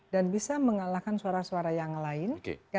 bisa mengalahkan suara suara yang lain